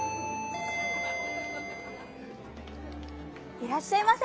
いらっしゃいませ。